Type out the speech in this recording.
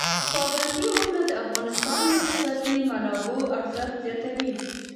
پابندي غرونه د افغانستان د اقتصادي منابعو ارزښت زیاتوي.